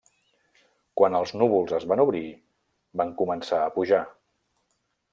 Quan els núvols es van obrir, van començar a pujar.